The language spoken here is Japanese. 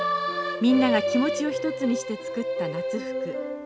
みんなが気持ちを一つにして作った夏服。